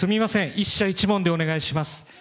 １社１問でお願いします。